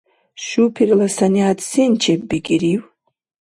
Шупирла санигӀят сен чеббикӀирив?